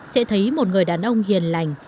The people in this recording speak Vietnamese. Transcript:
sẽ thấy một người đàn ông hiền lành